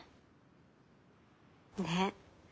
ねえ。